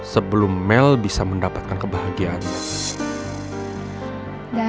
sebelum mel bisa mendapatkan kebahagiaannya